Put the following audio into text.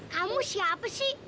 kamu siapa sih